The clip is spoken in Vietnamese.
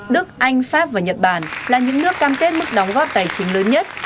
đức anh pháp và nhật bản là những nước cam kết mức đóng góp tài chính lớn nhất